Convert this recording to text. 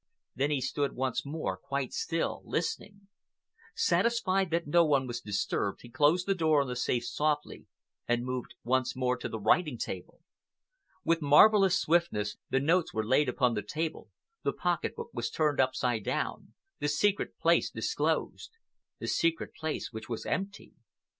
Then he stood once more quite still, listening. Satisfied that no one was disturbed, he closed the door of the safe softly and moved once more to the writing table. With marvelous swiftness the notes were laid upon the table, the pocket book was turned upside down, the secret place disclosed—the secret place which was empty.